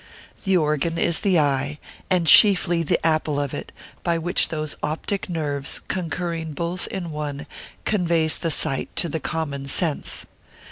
The organ is the eye, and chiefly the apple of it, which by those optic nerves, concurring both in one, conveys the sight to the common sense.